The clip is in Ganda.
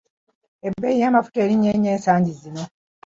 Ebbeeyi y'amafuta erinnye nnyo ensangi zino.